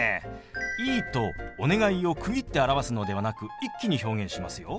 「いい」と「お願い」を区切って表すのではなく一気に表現しますよ。